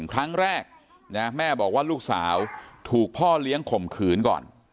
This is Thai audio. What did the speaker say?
ครั้งแรกนะแม่บอกว่าลูกสาวถูกพ่อเลี้ยงข่มขืนก่อน